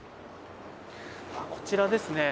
こちらですね。